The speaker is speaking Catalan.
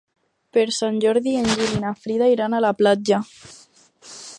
Per Sant Jordi en Gil i na Frida iran a la platja.